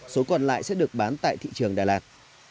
số còn lại sẽ được bán tại thị trường đà lạt